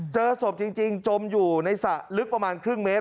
เจอศพจริงจมอยู่ในสระลึกประมาณครึ่งเมตร